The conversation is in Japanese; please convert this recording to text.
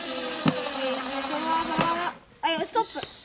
ストップ。